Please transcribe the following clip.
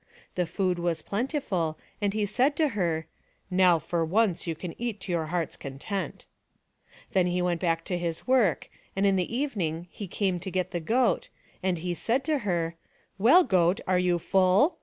The food was plentiful and he said to her, " Now for once you can eat to your heart's content." Then he went back to his work, and in the evening he came to get the goat, and he said to her, " Well, goat, are you full